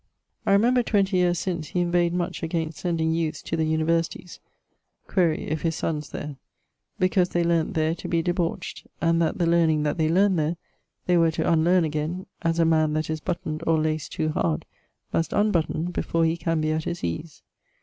I remember twenty yeares since he inveighed much against sending youths to the universities quaere if his sons there because they learnt there to be debaucht; and that the learning that they learned there they were to unlearne againe, as a man that is buttond or laced too hard, must unbutton before he can be at his ease.